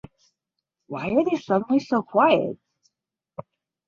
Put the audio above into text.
Why are they suddenly so quiet?